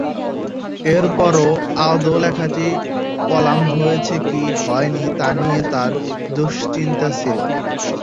এরপরও আদৌ লেখাটি কলাম হয়েছে কি হয়নি তা নিয়ে তার দুশ্চিন্তা ছিল।